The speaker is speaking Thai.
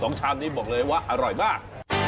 ชามนี้บอกเลยว่าอร่อยมาก